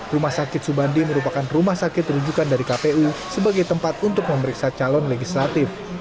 rumah sakit subandi merupakan rumah sakit rujukan dari kpu sebagai tempat untuk memeriksa calon legislatif